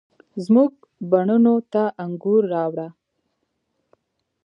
زموږ بڼوڼو ته انګور، راوړه،